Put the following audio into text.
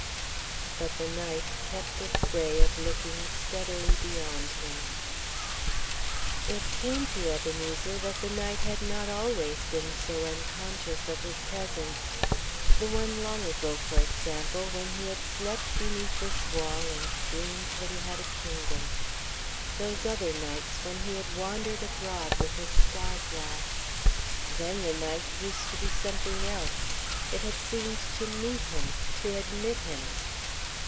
But the night kept its way of looking steadily beyond him. ... It came to Ebenezer that the night had not always been so unconscious of his presence. The one long ago, for example, when he had slept beneath this wall and dreamed that he had a kingdom; those other nights, when he had wandered abroad with his star glass. Then the night used to be something else. It had seemed to meet him, to admit him.